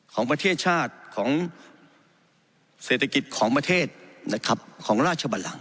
ของประเทศชาติของเศรษฐกิจของประเทศนะครับของราชบันหลัง